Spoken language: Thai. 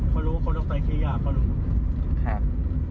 ขอรู้คนออกไปคลี่ยาเขาหลง